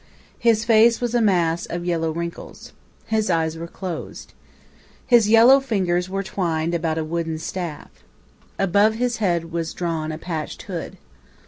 His face was a mass of yellow wrinkles. His eyes were closed. His yellow fingers were twined about a wooden staff. Above his head was drawn a patched hood.